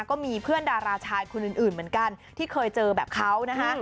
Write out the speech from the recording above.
ก็มีเพื่อนดาราชายคนอื่นเหมือนกันที่เคยเจอแบบเขานะคะ